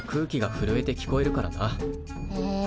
へえ。